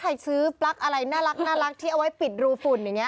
ซื้อปลั๊กอะไรน่ารักที่เอาไว้ปิดรูฝุ่นอย่างนี้